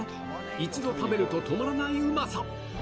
一度食べると止まらないうまさ。